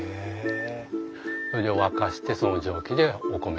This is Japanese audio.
それで沸かしてその蒸気でお米を蒸すと。